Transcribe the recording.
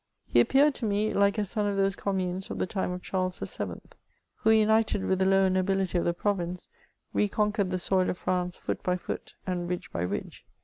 He appeared to me like a son of those communes of the time of Charles VII., who, united with the lower nobility of the province, re conquered the soil of France foot by foot, and ridge by ridge.